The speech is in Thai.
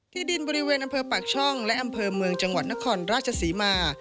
ที่ดินบริเวณอำเภอปากช่องและอำเภอเมืองจังหวัดนครราชศรีมา